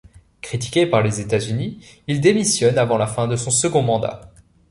Critiqué par les États-Unis, il démissionne avant la fin de son second mandat.